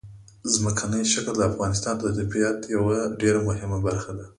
ځمکنی شکل د افغانستان د طبیعت یوه ډېره مهمه برخه ده.